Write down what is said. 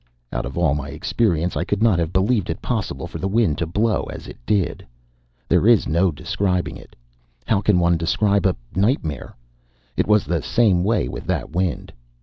Out of all my experience I could not have believed it possible for the wind to blow as it did. There is no describing it. How can one describe a nightmare? It was the same way with that wind.